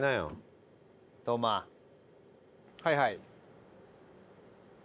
はいはい。